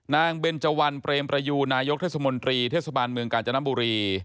เบนเจวันเปรมประยูนายกเทศมนตรีเทศบาลเมืองกาญจนบุรี